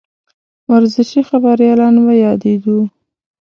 ورزشي خبریالان به یادېدوو.